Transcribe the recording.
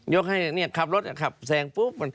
ยกให้นี่ขับรถแสงปุ๊บ